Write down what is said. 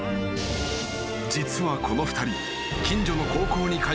［実はこの２人］